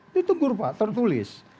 itu tegur pak tertulis